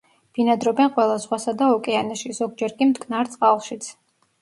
ბინადრობენ ყველა ზღვასა და ოკეანეში, ზოგჯერ კი მტკნარ წყალშიც.